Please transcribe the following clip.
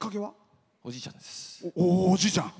おじいちゃんです。